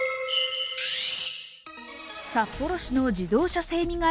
札幌市の自動車整備